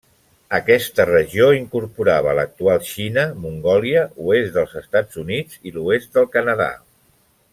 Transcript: Aquesta regió incorporava l'actual Xina, Mongòlia, oest dels Estats Units i l'oest del Canadà.